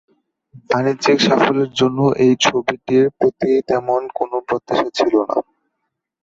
বাণিজ্যিক সাফল্যের জন্য এই ছবিটির প্রতি তেমন কোন প্রত্যাশা ছিলো না।